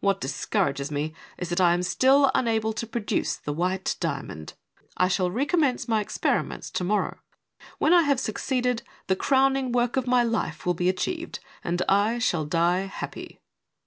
What discourages me is that I am still unable to produce the white diamond. I shall recom mence my experiments to morrow. When I have suc ceeded the crowning work of my life will be achieved, and I shall die happy."